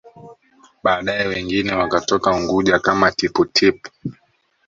Baadae wengine wakatoka Unguja kama Tippu Tip